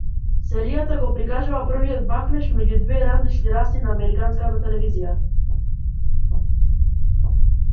Серијата го прикажала првиот бакнеж меѓу две различни раси на американската телевизија.